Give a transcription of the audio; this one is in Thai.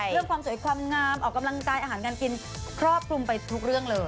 เรื่องความสวยความงามออกกำลังกายอาหารการกินครอบคลุมไปทุกเรื่องเลย